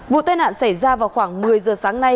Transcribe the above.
vụ tai nạn xảy ra vào khoảng một mươi giờ sáng nay